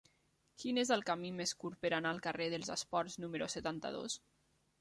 Quin és el camí més curt per anar al carrer dels Esports número setanta-dos?